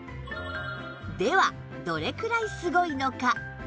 ではどれくらいすごいのか？